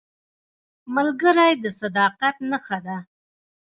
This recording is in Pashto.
ملګری د صداقت نښه ده